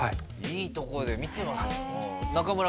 いいところで見てますね。